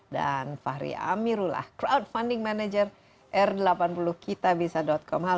dan fahri amirullah crowdfunding manager r delapan puluh kitabisa com